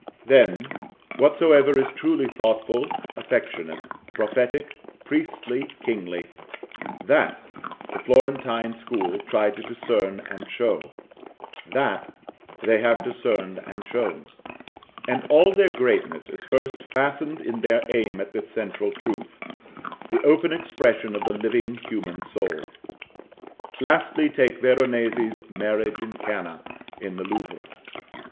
then whatsoever is truly thoughtful, affectionate, prophetic, priestly, kingly that the Florentine school tried to discern, and show; that they have discerned and shown; and all their greatness is first fastened in their aim at this central truth the open expression of the living human soul. Lastly, take Veronese's "Marriage in Cana" in the Louvre.